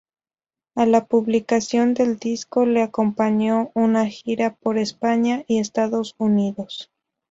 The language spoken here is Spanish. A la publicación del disco le acompañó una gira por España y Estados Unidos.